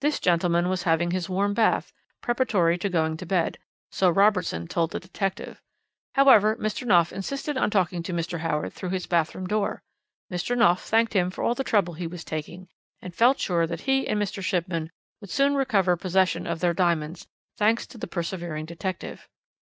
This gentleman was having his warm bath, preparatory to going to bed. So Robertson told the detective. However, Mr. Knopf insisted on talking to Mr. Howard through his bath room door. Mr. Knopf thanked him for all the trouble he was taking, and felt sure that he and Mr. Shipman would soon recover possession of their diamonds, thanks to the persevering detective. "He!